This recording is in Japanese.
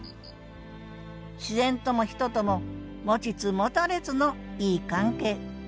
自然とも人とも持ちつ持たれつのいい関係